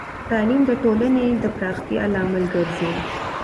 تعلیم د ټولنې د پراختیا لامل ګرځی.